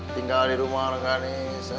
tinggal di rumah neng kanis